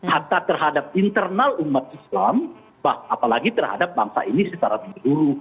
harta terhadap internal umat islam apalagi terhadap bangsa ini secara dulu